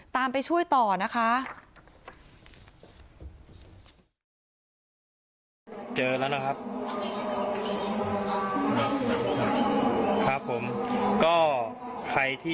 ไปช่วยต่อนะคะ